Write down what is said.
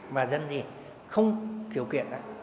mà dân gì không khiếu kiện